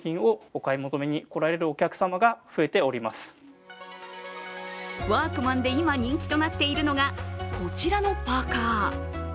他にもワークマンで今、人気となっているのが、こちらのパーカー。